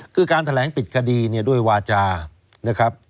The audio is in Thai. คือการแถลงปิดคดีเนี่ยด้วยวาจานะครับ